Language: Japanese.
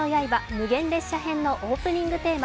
無限列車編のオープニングテーマ